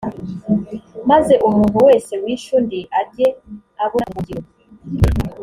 maze umuntu wese wishe undi ajye abona ubuhungiro.